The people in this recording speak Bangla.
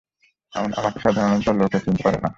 আমাকে সাধারণত লোকে চিনিতে পারে না।